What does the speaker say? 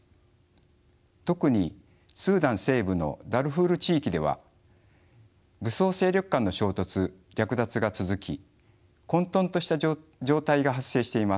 特にスーダン西部のダルフール地域では武装勢力間の衝突略奪が続き混とんとした状態が発生しています。